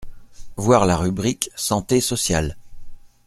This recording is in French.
Voir la rubrique santé, social.